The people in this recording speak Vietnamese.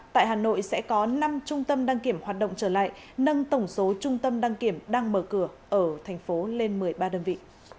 tại hà nội sẽ có năm trung tâm đăng kiểm hoạt động trở lại nâng tổng số trung tâm đăng kiểm đang mở cửa ở thành phố lên một mươi ba đơn vị